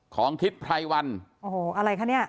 ของทิศไพรวันโอ้โหอะไรคะเนี่ย